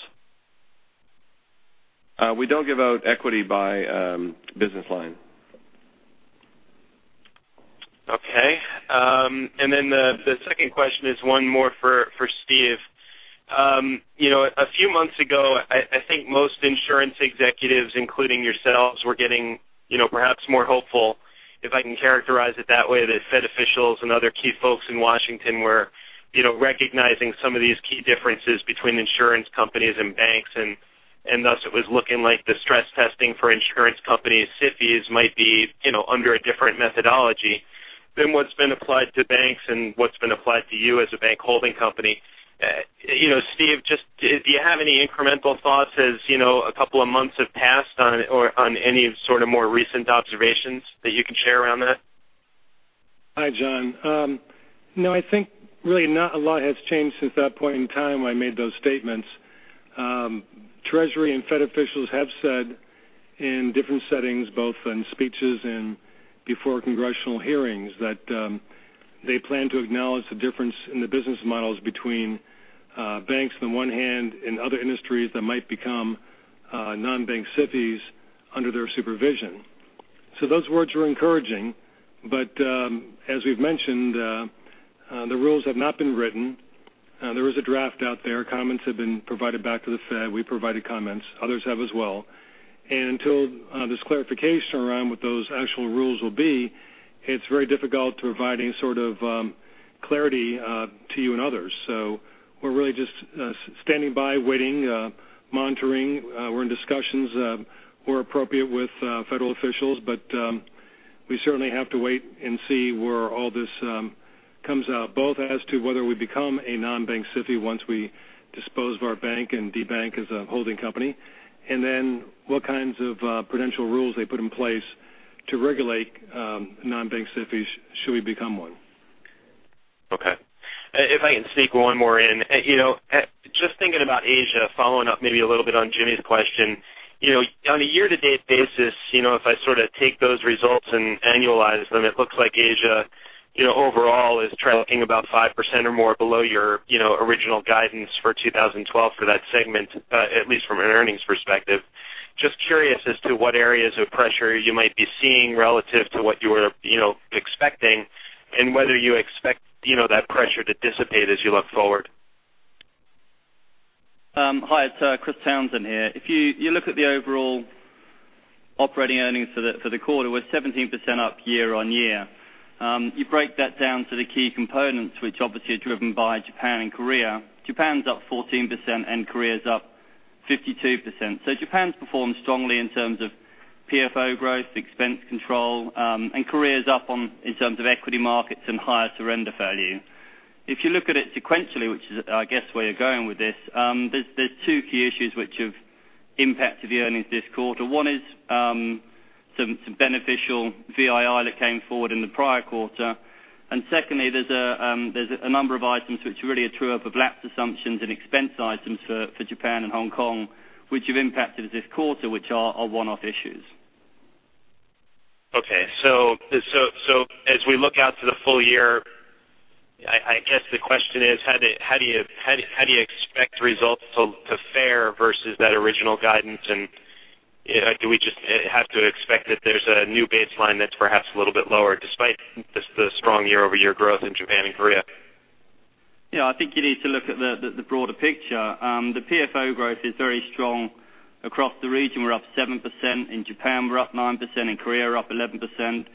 We don't give out equity by business line. Okay. The second question is one more for Steve. A few months ago, I think most insurance executives, including yourselves, were getting perhaps more hopeful, if I can characterize it that way, that Fed officials and other key folks in Washington were recognizing some of these key differences between insurance companies and banks. Thus, it was looking like the stress testing for insurance companies, SIFIs, might be under a different methodology than what's been applied to banks and what's been applied to you as a bank holding company. Steve, do you have any incremental thoughts as a couple of months have passed on any sort of more recent observations that you can share around that? Hi, John. No, I think really not a lot has changed since that point in time when I made those statements. Treasury and Fed officials have said in different settings, both in speeches and before congressional hearings, that they plan to acknowledge the difference in the business models between banks on the one hand, and other industries that might become non-bank SIFIs under their supervision. Those words are encouraging, but as we've mentioned, the rules have not been written. There is a draft out there. Comments have been provided back to the Fed. We provided comments. Others have as well. Until there's clarification around what those actual rules will be, it's very difficult to provide any sort of clarity to you and others. We're really just standing by, waiting, monitoring. We're in discussions where appropriate with federal officials, but we certainly have to wait and see where all this comes out, both as to whether we become a non-bank SIFI once we dispose of our bank and de-bank as a holding company. What kinds of Prudential rules they put in place to regulate non-bank SIFIs, should we become one. Okay. If I can sneak one more in. Just thinking about Asia, following up maybe a little bit on Jimmy's question. On a year-to-date basis, if I take those results and annualize them, it looks like Asia overall is tracking about 5% or more below your original guidance for 2012 for that segment, at least from an earnings perspective. Just curious as to what areas of pressure you might be seeing relative to what you were expecting, and whether you expect that pressure to dissipate as you look forward. Hi, it's Chris Townsend here. If you look at the overall operating earnings for the quarter, we're 17% up year-over-year. You break that down to the key components, which obviously are driven by Japan and Korea. Japan's up 14% and Korea's up 52%. Japan's performed strongly in terms of PFO growth, expense control, and Korea is up in terms of equity markets and higher surrender value. If you look at it sequentially, which is I guess where you're going with this, there's two key issues which have impacted the earnings this quarter. One is some beneficial VII that came forward in the prior quarter. Secondly, there's a number of items which really are true up of lapse assumptions and expense items for Japan and Hong Kong, which have impacted this quarter, which are one-off issues. Okay. As we look out to the full year, I guess the question is, how do you expect results to fare versus that original guidance? Do we just have to expect that there's a new baseline that's perhaps a little bit lower despite the strong year-over-year growth in Japan and Korea? Yeah, I think you need to look at the broader picture. The PFO growth is very strong across the region. We're up 7% in Japan. We're up 9% in Korea. We're up 11%.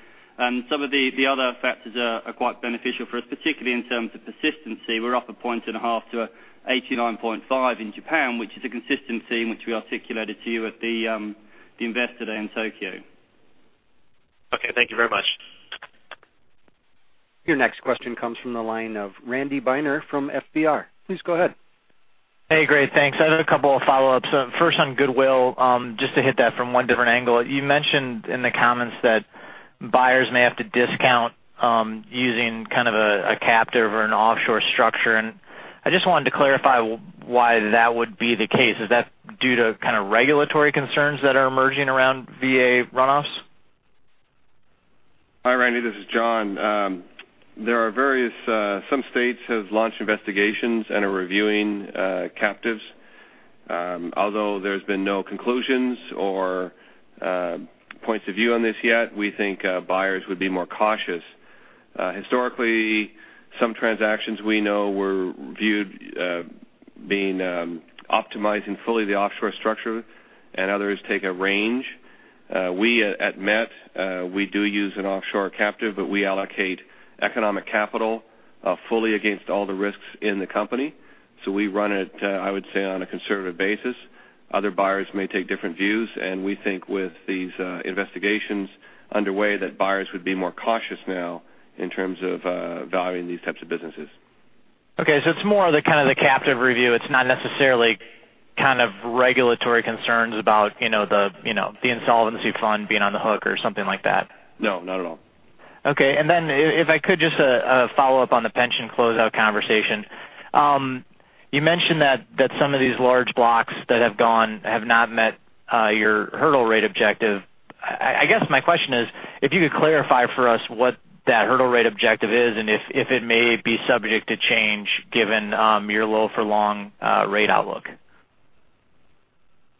Some of the other factors are quite beneficial for us, particularly in terms of persistency. We're up a point and a half to 89.5 in Japan, which is a consistency in which we articulated to you at the investor day in Tokyo. Okay, thank you very much. Your next question comes from the line of Randy Steiner from FBR. Please go ahead. Hey, great. Thanks. I have a couple of follow-ups. First on goodwill, just to hit that from one different angle. You mentioned in the comments that buyers may have to discount using kind of a captive or an offshore structure, I just wanted to clarify why that would be the case. Is that due to kind of regulatory concerns that are emerging around VA runoffs? Hi, Randy. This is John. Some states have launched investigations and are reviewing captives. Although there's been no conclusions or points of view on this yet, we think buyers would be more cautious. Historically, some transactions we know were viewed being optimized in fully the offshore structure, others take a range. We at MetLife, we do use an offshore captive, but we allocate economic capital fully against all the risks in the company. We run it, I would say, on a conservative basis. Other buyers may take different views, we think with these investigations underway, that buyers would be more cautious now in terms of valuing these types of businesses. Okay, it's more of the kind of the captive review. It's not necessarily kind of regulatory concerns about the insolvency fund being on the hook or something like that. No, not at all. Okay. Then if I could just follow up on the pension closeout conversation. You mentioned that some of these large blocks that have gone have not met your hurdle rate objective. I guess my question is, if you could clarify for us what that hurdle rate objective is and if it may be subject to change given your low for long rate outlook.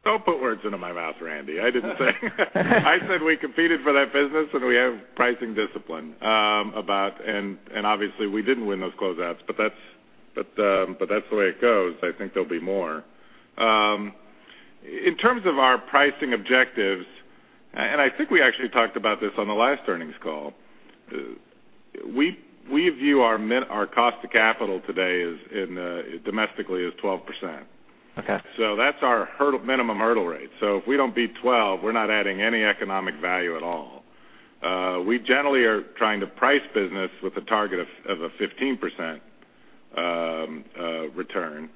Don't put words into my mouth, Randy Steiner. I didn't say. I said we competed for that business and we have pricing discipline. Obviously we didn't win those close outs, that's the way it goes. I think there'll be more. In terms of our pricing objectives, I think we actually talked about this on the last earnings call, we view our cost to capital today domestically as 12%. Okay. That's our minimum hurdle rate. If we don't beat 12, we're not adding any economic value at all. We generally are trying to price business with a target of a 15% return.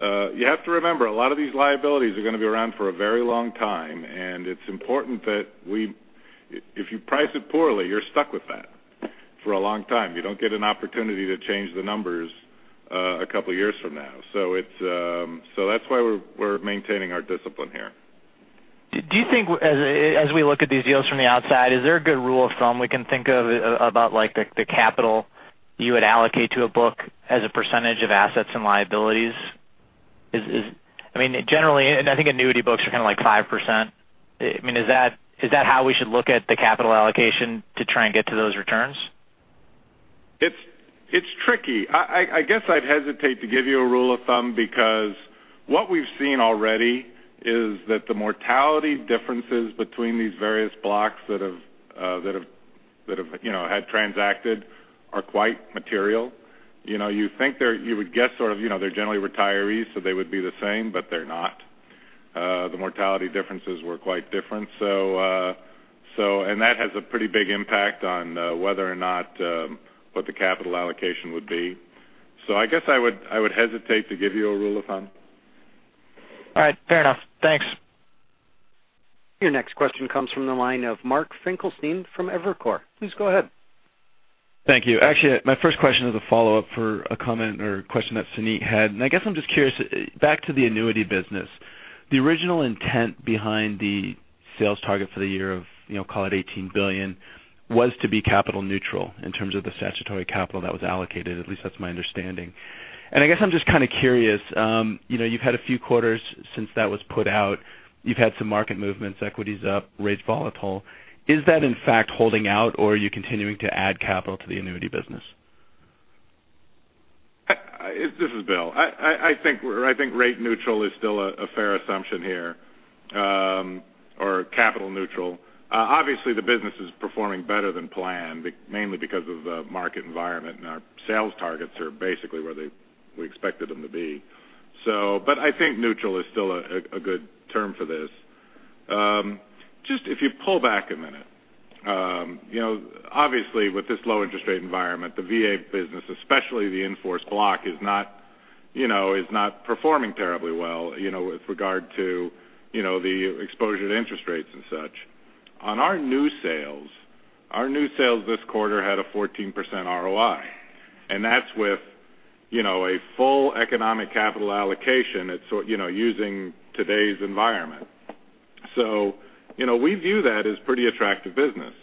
You have to remember, a lot of these liabilities are going to be around for a very long time, and it's important that if you price it poorly, you're stuck with that for a long time. You don't get an opportunity to change the numbers a couple of years from now. That's why we're maintaining our discipline here. Do you think as we look at these deals from the outside, is there a good rule of thumb we can think of about the capital you would allocate to a book as a percentage of assets and liabilities? I mean, generally, I think annuity books are kind of like 5%. I mean, is that how we should look at the capital allocation to try and get to those returns? It's tricky. I guess I'd hesitate to give you a rule of thumb because what we've seen already is that the mortality differences between these various blocks that have had transacted are quite material. You would guess sort of they're generally retirees, so they would be the same, but they're not. The mortality differences were quite different. That has a pretty big impact on whether or not what the capital allocation would be. I guess I would hesitate to give you a rule of thumb. All right. Fair enough. Thanks. Your next question comes from the line of Mark Finkelstein from Evercore. Please go ahead. Thank you. Actually, my first question is a follow-up for a comment or question that Suneet had, and I guess I'm just curious, back to the annuity business. The original intent behind the sales target for the year of call it $18 billion, was to be capital neutral in terms of the statutory capital that was allocated. At least that's my understanding. I guess I'm just kind of curious. You've had a few quarters since that was put out. You've had some market movements, equities up, rates volatile. Is that in fact holding out or are you continuing to add capital to the annuity business? This is Bill. I think rate neutral is still a fair assumption here, or capital neutral. Obviously, the business is performing better than planned, mainly because of the market environment, and our sales targets are basically where we expected them to be. I think neutral is still a good term for this. Just if you pull back a minute. Obviously, with this low interest rate environment, the VA business, especially the in-force block is not performing terribly well with regard to the exposure to interest rates and such. On our new sales, our new sales this quarter had a 14% ROI, and that's with a full economic capital allocation using today's environment. We view that as pretty attractive business.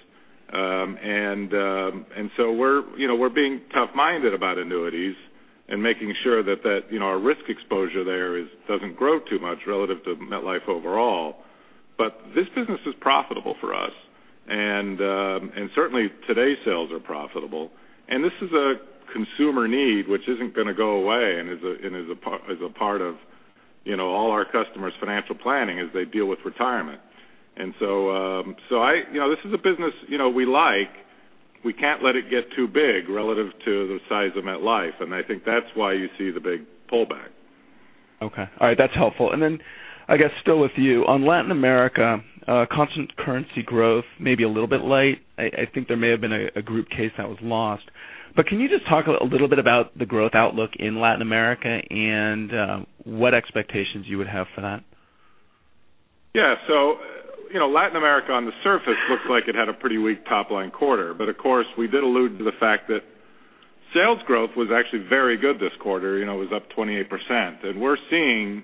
We're being tough-minded about annuities and making sure that our risk exposure there doesn't grow too much relative to MetLife overall. This business is profitable for us, and certainly today's sales are profitable. This is a consumer need which isn't going to go away and is a part of all our customers' financial planning as they deal with retirement. This is a business we like. We can't let it get too big relative to the size of MetLife, and I think that's why you see the big pullback. Okay. All right. That's helpful. Then I guess still with you. On Latin America, constant currency growth may be a little bit light. I think there may have been a group case that was lost. Can you just talk a little bit about the growth outlook in Latin America and what expectations you would have for that? Yeah. Latin America on the surface looks like it had a pretty weak top-line quarter. Of course, we did allude to the fact that sales growth was actually very good this quarter. It was up 28%. We're seeing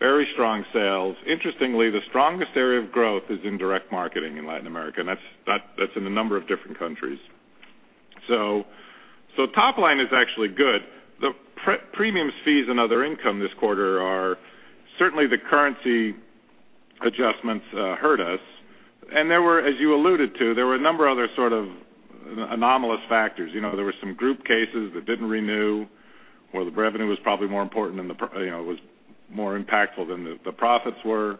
very strong sales. Interestingly, the strongest area of growth is in direct marketing in Latin America, and that's in a number of different countries. Top line is actually good. The premiums, fees, and other income this quarter are certainly the currency adjustments hurt us. As you alluded to, there were a number of other sort of anomalous factors. There were some group cases that didn't renew where the revenue was probably more impactful than the profits were.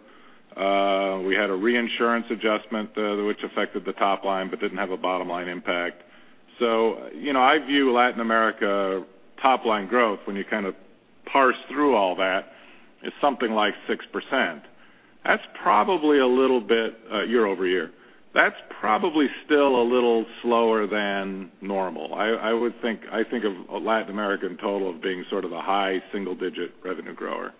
We had a reinsurance adjustment which affected the top line but didn't have a bottom-line impact. I view Latin America top-line growth when you kind of parse through all that is something like 6%. That's probably a little bit year-over-year. That's probably still a little slower than normal. I think of Latin American total of being sort of a high single-digit revenue grower.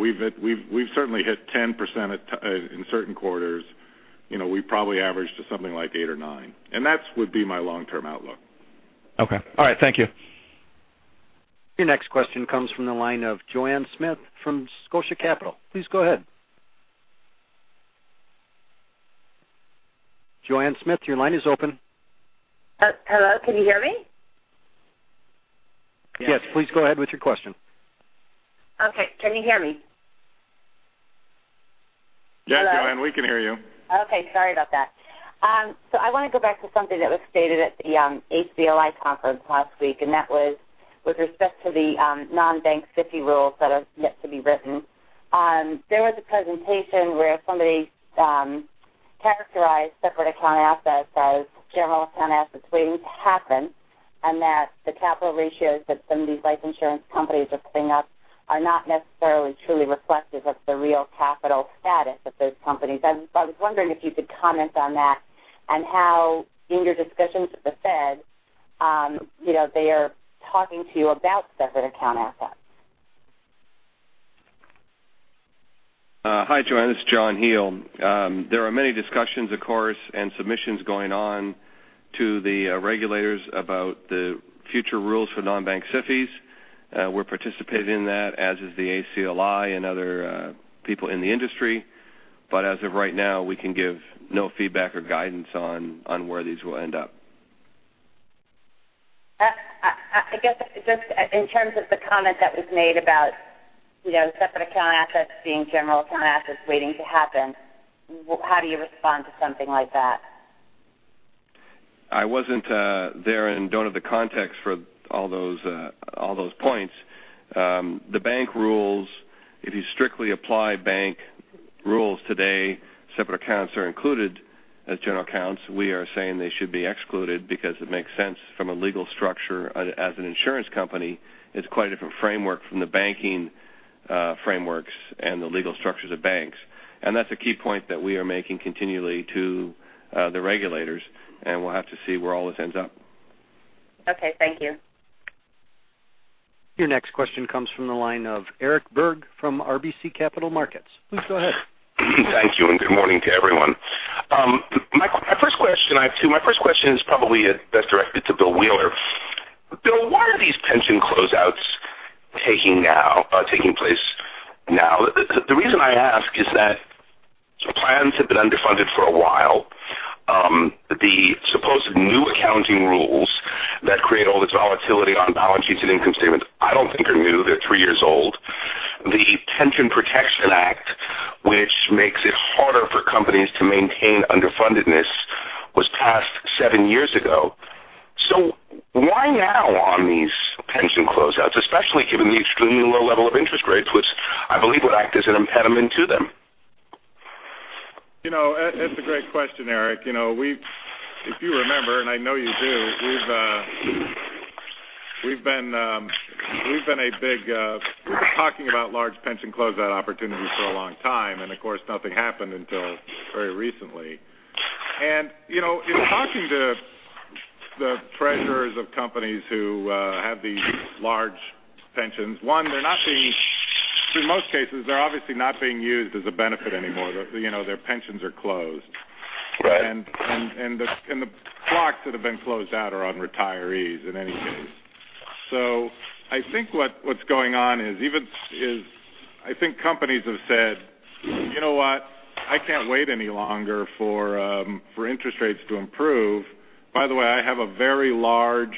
We've certainly hit 10% in certain quarters. We probably average to something like eight or nine. That would be my long-term outlook. Okay. All right. Thank you. Your next question comes from the line of Joanne Smith from Scotia Capital. Please go ahead. Joanne Smith, your line is open. Hello, can you hear me? Please go ahead with your question. Can you hear me? Joanne, we can hear you. Sorry about that. I want to go back to something that was stated at the ACLI conference last week, and that was with respect to the nonbank SIFI rules that are yet to be written. There was a presentation where somebody characterized separate account assets as general account assets waiting to happen, and that the capital ratios that some of these life insurance companies are putting up are not necessarily truly reflective of the real capital status of those companies. I was wondering if you could comment on that and how, in your discussions with the Fed, they are talking to you about separate account assets. Hi, Joanne. This is John Heil. There are many discussions, of course, and submissions going on to the regulators about the future rules for nonbank SIFIs. We're participating in that, as is the ACLI and other people in the industry. As of right now, we can give no feedback or guidance on where these will end up. I guess just in terms of the comment that was made about separate account assets being general account assets waiting to happen, how do you respond to something like that? I wasn't there and don't have the context for all those points. The bank rules, if you strictly apply bank rules today, separate accounts are included as general accounts. We are saying they should be excluded because it makes sense from a legal structure as an insurance company. It's quite a different framework from the banking frameworks and the legal structures of banks. That's a key point that we are making continually to the regulators, and we'll have to see where all this ends up. Okay, thank you. Your next question comes from the line of Eric Berg from RBC Capital Markets. Please go ahead. Thank you and good morning to everyone. I have two. My first question is probably best directed to Bill Wheeler. Bill, why are these pension closeouts taking place now? The reason I ask is that plans have been underfunded for a while. The supposed new accounting rules that create all this volatility on balance sheets and income statements I don't think are new. They're three years old. The Pension Protection Act, which makes it harder for companies to maintain underfundedness, was passed seven years ago. Why now on these pension closeouts, especially given the extremely low level of interest rates, which I believe would act as an impediment to them? That's a great question, Eric. If you remember, and I know you do, we've been talking about large pension closeout opportunities for a long time, and of course, nothing happened until very recently. In talking to the treasurers of companies who have these large pensions, one, in most cases, they're obviously not being used as a benefit anymore. Their pensions are closed. Right. The blocks that have been closed out are on retirees in any case. I think what's going on is I think companies have said, "You know what? I can't wait any longer for interest rates to improve. By the way, I have a very large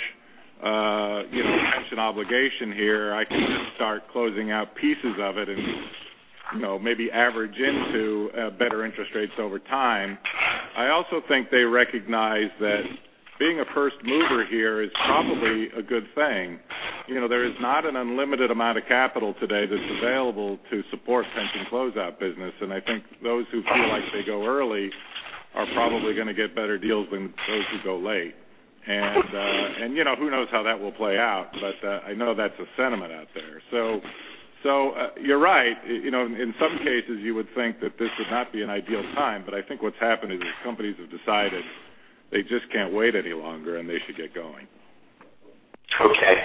pension obligation here. I can start closing out pieces of it and maybe average into better interest rates over time." I also think they recognize that being a first mover here is probably a good thing. There is not an unlimited amount of capital today that's available to support pension closeout business, and I think those who feel like they go early are probably going to get better deals than those who go late. Who knows how that will play out, but I know that's a sentiment out there. You're right. In some cases, you would think that this would not be an ideal time. I think what's happened is companies have decided they just can't wait any longer. They should get going. Okay.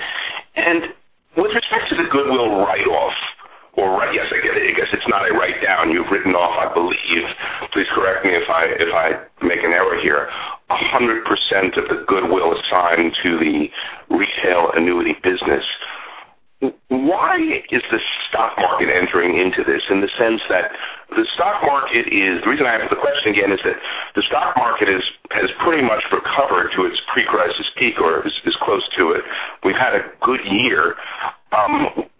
With respect to the goodwill write-off or yes, I get it. I guess it's not a write-down. You've written off, I believe, please correct me if I make an error here, 100% of the goodwill assigned to the retail annuity business. Why is the stock market entering into this in the sense that the stock market, the reason I ask the question again is that the stock market has pretty much recovered to its pre-crisis peak or is close to it. We've had a good year.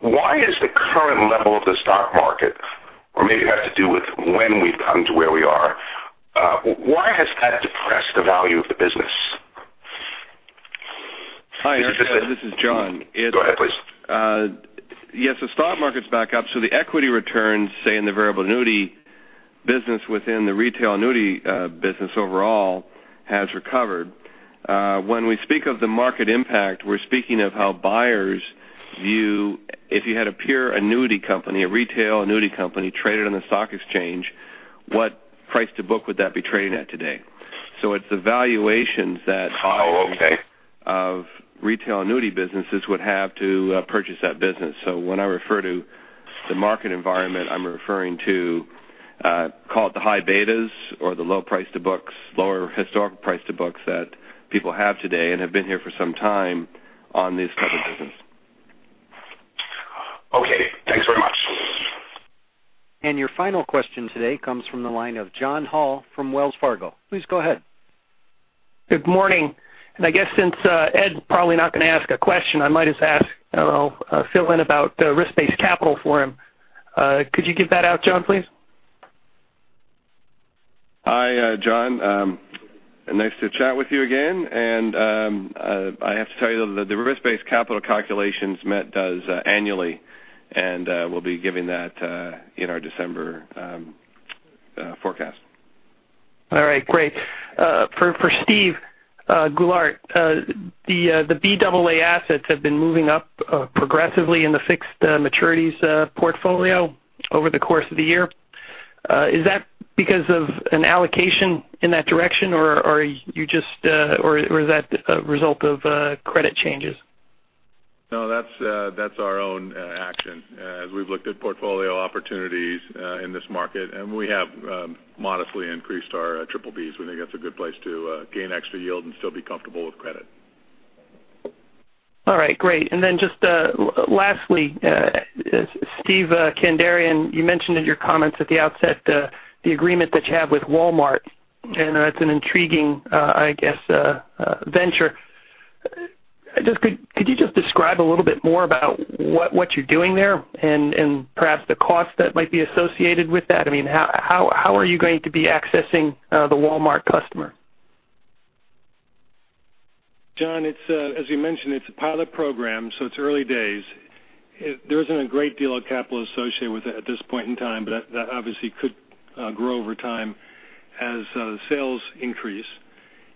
Why is the current level of the stock market, or maybe it has to do with when we've come to where we are, why has that depressed the value of the business? Hi, Eric. This is John. Go ahead, please. Yes, the stock market's back up. The equity returns, say, in the variable annuity business within the retail annuity business overall has recovered. When we speak of the market impact, we're speaking of how buyers view if you had a pure annuity company, a retail annuity company traded on the stock exchange, what price to book would that be trading at today? It's the valuations that. Oh, okay. of retail annuity businesses would have to purchase that business. When I refer to the market environment I'm referring to, call it the high betas or the low price to books, lower historical price to books that people have today and have been here for some time on these type of business. Okay. Thanks very much. Your final question today comes from the line of John Hall from Wells Fargo. Please go ahead. Good morning. I guess since Ed's probably not going to ask a question, I might as ask, fill in about risk-based capital for him. Could you give that out, John, please? Hi, John. Nice to chat with you again. I have to tell you, the risk-based capital calculations MetLife does annually, and we'll be giving that in our December forecast. All right, great. For Steve Goulart, the Baa assets have been moving up progressively in the fixed maturities portfolio over the course of the year. Is that because of an allocation in that direction, or is that a result of credit changes? No, that's our own action as we've looked at portfolio opportunities in this market. We have modestly increased our BBBs. We think that's a good place to gain extra yield and still be comfortable with credit. All right, great. Just lastly, Steve Kandarian, you mentioned in your comments at the outset the agreement that you have with Walmart. That's an intriguing venture. Could you just describe a little bit more about what you're doing there and perhaps the cost that might be associated with that? I mean, how are you going to be accessing the Walmart customer? John, as you mentioned, it's a pilot program, so it's early days. There isn't a great deal of capital associated with it at this point in time, but that obviously could grow over time as sales increase.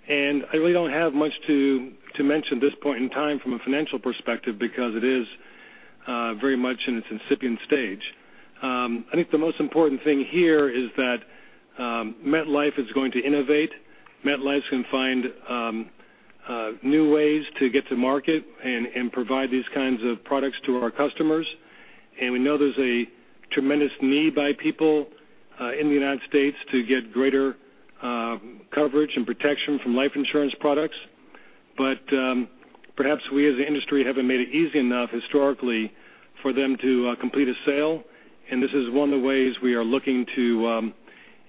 I really don't have much to mention at this point in time from a financial perspective because it is very much in its incipient stage. I think the most important thing here is that MetLife is going to innovate. MetLife is going to find new ways to get to market and provide these kinds of products to our customers. We know there's a tremendous need by people in the United States to get greater coverage and protection from life insurance products. Perhaps we, as an industry, haven't made it easy enough historically for them to complete a sale, and this is one of the ways we are looking to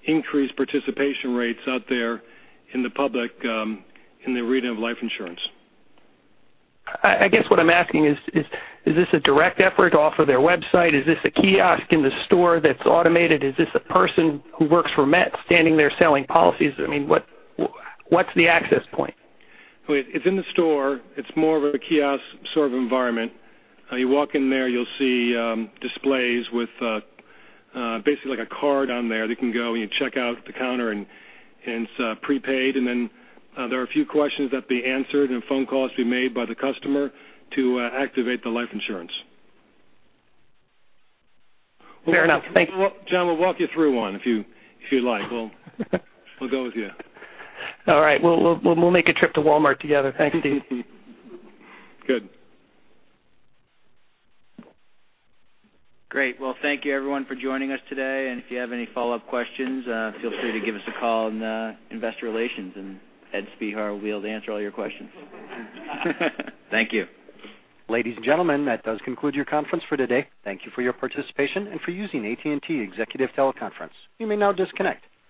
increase participation rates out there in the public in the arena of life insurance. I guess what I'm asking is this a direct effort off of their website? Is this a kiosk in the store that's automated? Is this a person who works for MetLife standing there selling policies? I mean, what's the access point? It's in the store. It's more of a kiosk sort of environment. You walk in there, you'll see displays with basically like a card on there that can go and you check out at the counter, and it's prepaid. There are a few questions that be answered and phone calls to be made by the customer to activate the life insurance. Fair enough. Thank you. John, we'll walk you through one if you'd like. We'll go with you. All right. We'll make a trip to Walmart together. Thanks, Steve. Good. Great. Well, thank you everyone for joining us today, and if you have any follow-up questions, feel free to give us a call in investor relations, and Edward Spehar will be able to answer all your questions. Thank you. Ladies and gentlemen, that does conclude your conference for today. Thank you for your participation and for using AT&T TeleConference Services. You may now disconnect.